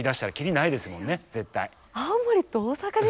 青森と大阪ですよ